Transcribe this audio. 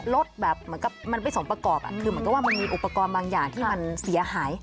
รถแบบมันไม่สมประกอบคือมันก็ว่ามีอุปกรณ์บางอย่างที่มันเสียหาย